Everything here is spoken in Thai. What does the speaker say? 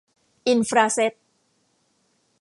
อินฟราเซท